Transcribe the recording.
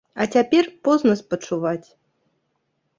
А цяпер позна спачуваць.